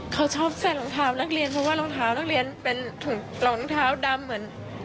เขาชอบใส่รองเท้านักเรียนเพราะว่ารองเท้านักเรียนเป็นถุงรองเท้าดำเหมือน